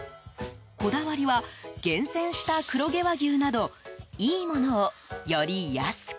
こだわりは厳選した黒毛和牛などいいものをより安く。